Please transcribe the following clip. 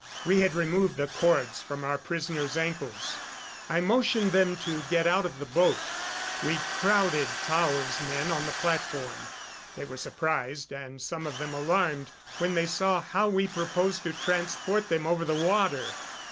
We had removed the cords from our prisoners' ankles. I motioned them to get out of the boat. We crowded Tao's men on the platform. They were surprised, and some of them alarmed, when they saw how we proposed to transport them over the water.